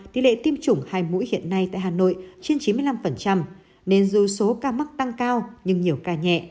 tỷ lệ tiêm chủng hai mũi hiện nay tại hà nội trên chín mươi năm nên dù số ca mắc tăng cao nhưng nhiều ca nhẹ